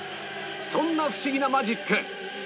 そんなフシギなマジック